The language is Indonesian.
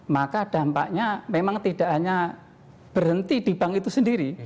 maka dampaknya memang tidak hanya berhenti di bank itu sendiri